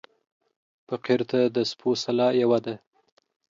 فقير ته د سپو سلا يوه ده.